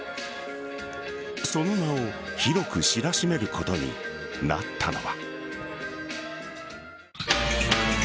その名を広く知らしめることになったのは。